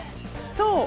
そう！